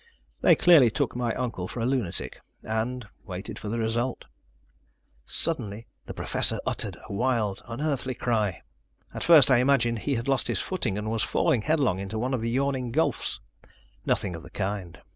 They clearly took my uncle for a lunatic; and waited the result. Suddenly the Professor uttered a wild, unearthly cry. At first I imagined he had lost his footing, and was falling headlong into one of the yawning gulfs. Nothing of the kind.